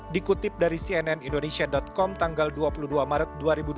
dikutip dari cnn indonesia com tanggal dua puluh dua maret dua ribu dua puluh